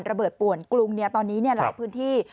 ระเบิดป่วนกรุงตอนนี้หลายพื้นที่